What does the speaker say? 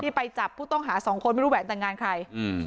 ไปจับผู้ต้องหาสองคนไม่รู้แหวนแต่งงานใครอืม